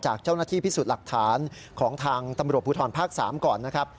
เจ้าหน้าที่พิสูจน์หลักฐานของทางตำรวจภูทรภาค๓ก่อนนะครับ